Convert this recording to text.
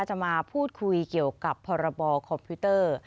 จะมาพูดคุยเกี่ยวกับพรบคอมพิวเตอร์